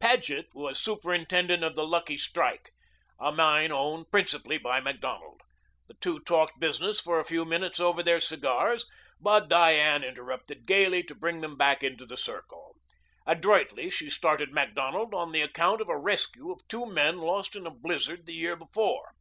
Paget was superintendent of the Lucky Strike, a mine owned principally by Macdonald. The two talked business for a few minutes over their cigars, but Diane interrupted gayly to bring them back into the circle. Adroitly she started Macdonald on the account of a rescue of two men lost in a blizzard the year before.